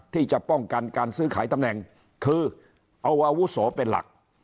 ที่จะป้องกันการซื้อขายตำแหน่งคือเอาอาวุโสเป็นหลัก